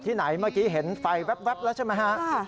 ไหนเมื่อกี้เห็นไฟแว๊บแล้วใช่ไหมฮะ